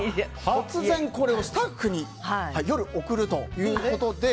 突然、これをスタッフに夜、送るということで。